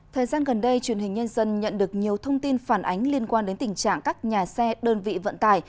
thời gian gần đây truyền hình nhân dân nhận được nhiều thông tin phản ánh liên quan đến tình trạng các nhà xe đơn vị vận tải